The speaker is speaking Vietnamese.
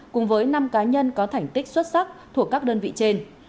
cùng với năm cá nhân có thành tích xuất sắc thuộc các đơn vị trên